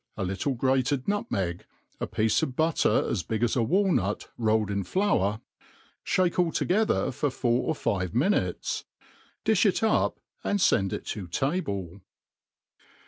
a little graced nutmeg, a piece of butter ^ b;g as a walnut, rolled in flour; (hake all together for four pr five minutes. Pifh it up and fend if to tabid.